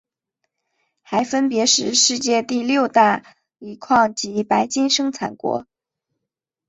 还分别是世界第六大镍矿及白金生产国。